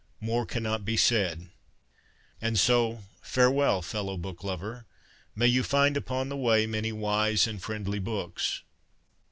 More cannot be said. And so farewell, fellow book lover. May you find upon the way many wise and friendly books.